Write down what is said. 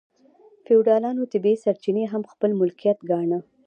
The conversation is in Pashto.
فیوډالانو طبیعي سرچینې هم خپل ملکیت ګاڼه.